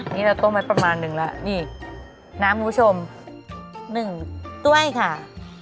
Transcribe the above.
นี่เราต้มไว้ประมาณนึงแล้วนี่น้ำคุณผู้ชม๑ถ้วยค่ะ